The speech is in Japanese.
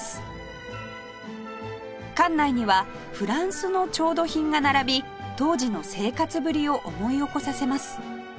館内にはフランスの調度品が並び当時の生活ぶりを思い起こさせます